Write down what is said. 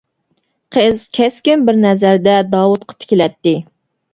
قىز كەسكىن بىر نەزەردە داۋۇتقا تىكىلەتتى.